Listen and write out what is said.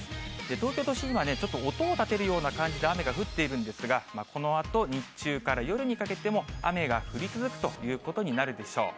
東京都心はちょっと音をたてるような感じで雨が降っているんですが、このあと、日中から夜にかけても雨が降り続くということになるでしょう。